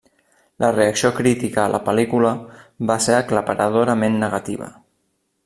La reacció crítica a la pel·lícula va ser aclaparadorament negativa.